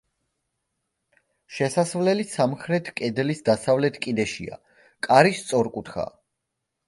შესასვლელი სამხრეთ კედლის დასავლეთ კიდეშია, კარი სწორკუთხაა.